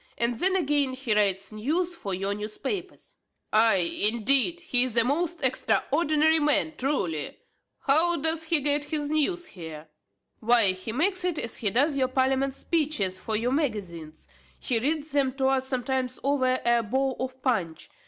and then again he writes news for your newspapers." "Ay, indeed! he is a most extraordinary man, truly! How doth he get his news here?" "Why he makes it, as he doth your parliament speeches for your magazines. He reads them to us sometimes over a bowl of punch.